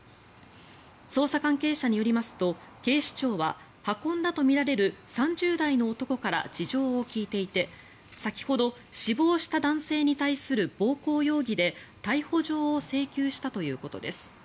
捜査関係者によりますと警視庁は運んだとみられる３０代の男から事情を聴いていて先ほど、死亡した男性に対する暴行容疑で逮捕状を請求したということです。